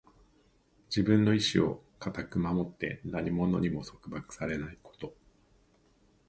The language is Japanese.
自分の意志を固く守って、何者にも束縛されないこと。